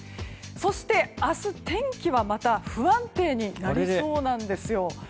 そして明日、天気はまた不安定になりそうなんですよ。